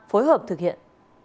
phối hợp thực hiện